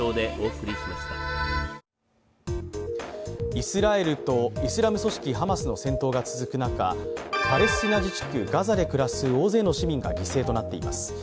イスラエルとイスラム組織ハマスの戦闘が続く中パレスチナ自治区ガザで暮らす大勢の市民が犠牲となっています。